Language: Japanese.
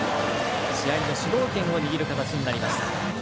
試合の主導権を握る形になりました。